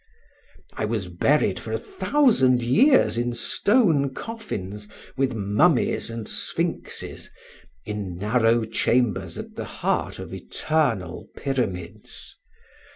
I was buried for a thousand years in stone coffins, with mummies and sphynxes, in narrow chambers at the heart of eternal pyramids.